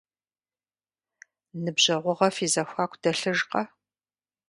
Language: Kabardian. Ныбжьэгъугъэ фи зэхуаку дэлъыжкъэ?